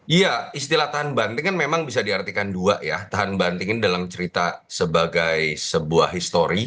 iya istilah tahan banting kan memang bisa diartikan dua ya tahan banting ini dalam cerita sebagai sebuah histori